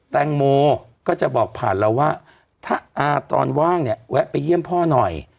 แตงโมก็จะบอกผ่านเราว่าถ้าอาตอนว่างเนี่ยแวะไปเยี่ยมพ่อหน่อย